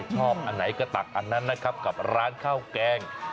อันไหนก็ตักอันนั้นนะครับกับร้านข้าวแกง